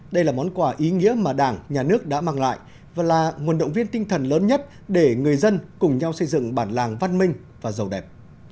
đây là món quà ý nghĩa mà đảng nhà nước đã mang lại và là nguồn động viên tinh thần lớn nhất để người dân cùng nhau xây dựng bản làng văn minh và giàu đẹp